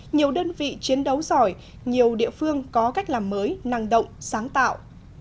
nhiều đơn vị chiến đấu giỏi nhiều địa phương có cách làm mới năng động sáng tạo